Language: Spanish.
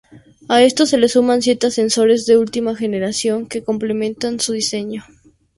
A esto se le suman siete ascensores de última generación que complementan su diseño.